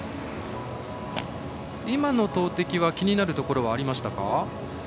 今の投てきは気になるところはありましたか？